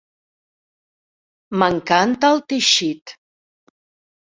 M"encanta el teixit!